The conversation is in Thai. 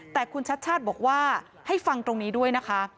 แต่คุณชัดชาติบอกว่าให้ฟังตรงนี้ด้วยนะคะ